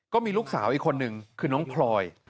ก็มีลูกสาวอีกคนนึงคือน้องพลอย